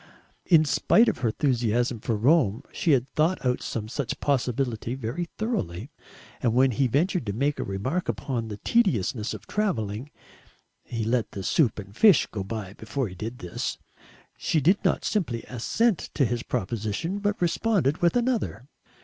In spite of her enthusiasm for Rome, she had thought out some such possibility very thoroughly, and when he ventured to make a remark upon the tediousness of travelling he let the soup and fish go by before he did this she did not simply assent to his proposition, but responded with another.